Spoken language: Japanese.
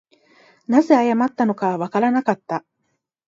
何故謝ったのかはわからなかった